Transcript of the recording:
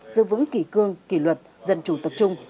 giữ vững kỳ cương kỳ luật dân chủ tập trung